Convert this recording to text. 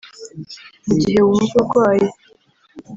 Mu gihe wumva urwaye